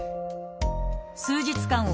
数日間